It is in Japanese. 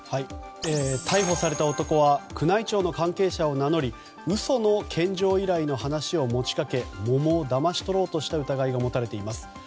逮捕された男は宮内庁の関係者を名乗り嘘の献上依頼の話を持ち掛け桃をだまし取ろうとした疑いが持たれています。